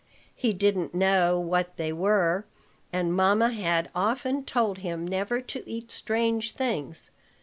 He didn't know what they were, and mamma had often told him never to eat strange things.